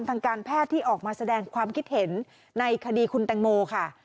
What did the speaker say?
ทางการแพทย์ที่ออกมาแสดงความคิดเห็นในคดีคุณแตงโมค่ะ